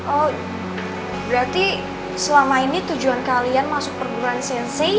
oh berarti selama ini tujuan kalian masuk perguruan sense